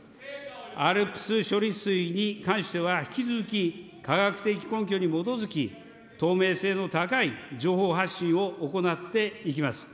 ＡＬＰＳ処理水に関しては、引き続き科学的根拠に基づき、透明性の高い情報発信を行っていきます。